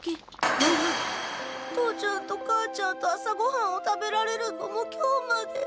父ちゃんと母ちゃんと朝ごはんを食べられるのも今日まで。